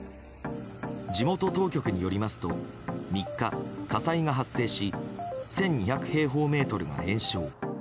地元当局によりますと３日、火災が発生し１２００平方メートルが延焼。